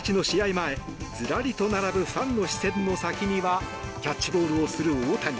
前ずらりと並ぶファンの視線の先にはキャッチボールする大谷。